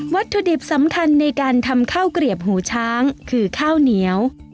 วัตถุดิบสำคัญในการทำข้าวเกลียบหูช้างคือข้าวเหนียว